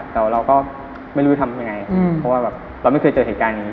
แต่เราก็ไม่รู้ทำยังไงเพราะว่าแบบเราไม่เคยเจอเหตุการณ์อย่างนี้